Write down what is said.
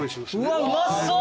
うわっうまそう！